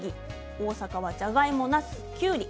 大阪はじゃがいも、なす、きゅうり。